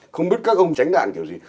không biết các ông tránh đạn kiểu gì